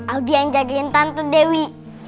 abi yang jagain tante dewi